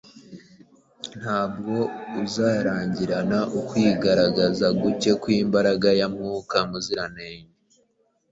ntabwo uzarangirana ukwigaragaza guke kw’imbaraga ya Mwuka Muziranenge